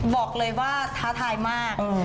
บอกเลยว่าท้าทายมาก